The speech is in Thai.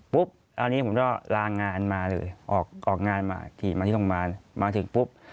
ปุ๊บแล้วอันนี้ผมก็ลางงานมาเลย